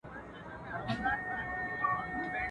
نر پسه د حلالېدو له پاره دئ.